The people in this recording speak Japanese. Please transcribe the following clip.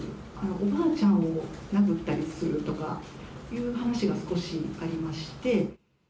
おばあちゃんを殴ったりするとかいう話が少しありまして。